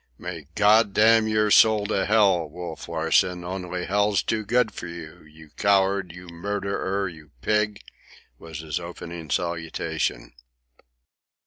"May God damn your soul to hell, Wolf Larsen, only hell's too good for you, you coward, you murderer, you pig!" was his opening salutation.